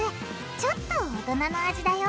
ちょっと大人の味だよ